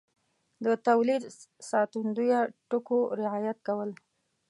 د تولید ساتندویه ټکو رعایت کول